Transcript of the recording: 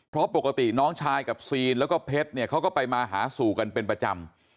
เพราะปกติน้องชายกับซีนแล้วก็เพชรเนี่ยเขาก็ไปมาหาสู่กันเป็นประจำ